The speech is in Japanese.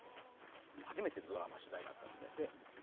初めてのドラマ主題歌だったんですね。